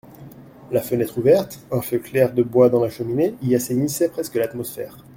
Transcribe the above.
La fenêtre ouverte, un feu clair de bois dans la cheminée, y assainissaient presque l'atmosphère.